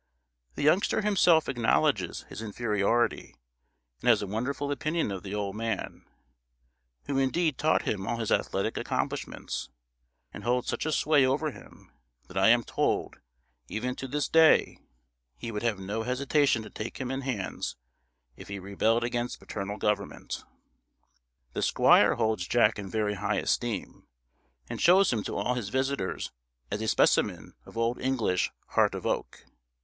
The youngster himself acknowledges his inferiority, and has a wonderful opinion of the old man, who indeed taught him all his athletic accomplishments, and holds such a sway over him, that I am told, even to this day, he would have no hesitation to take him in hands, if he rebelled against paternal government. The squire holds Jack in very high esteem, and shows him to all his visitors as a specimen of old English "heart of oak."